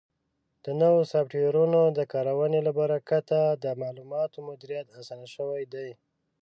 د نوو سافټویرونو د کارونې له برکت د معلوماتو مدیریت اسان شوی دی.